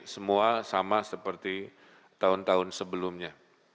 semua sama seperti tahun tahun sebelumnya